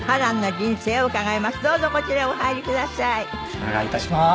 お願い致します。